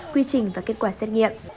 quy trình và kết quả xét nghiệm